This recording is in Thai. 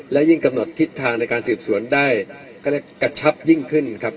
และยิ่งกำหนดทิศทางในการสืบสวนได้ก็เรียกกระชับยิ่งขึ้นครับ